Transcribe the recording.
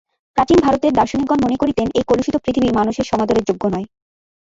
প্রাচীন ভারতের দার্শনিকগণ মনে করিতেন, এই কলুষিত পৃথিবী মানুষের সমাদরের যোগ্য নয়।